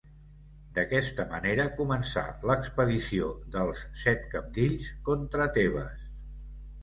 D'aquesta manera començà l'expedició dels Set Cabdills contra Tebes.